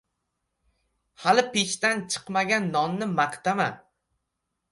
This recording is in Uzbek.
• Hali pechdan chiqmagan nonni maqtama.